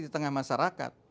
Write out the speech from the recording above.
di tengah masyarakat